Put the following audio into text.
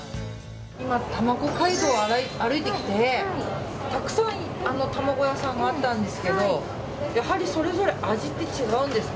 今、たまご街道を歩いてきてたくさん卵屋さんがあったんですけどやはり、それぞれ味って違うんですか。